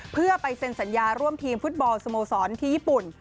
เพื่อไปเซ็นสัญญาร่วมทีมฟุตบอลสโมสรที่ญี่ปุ่น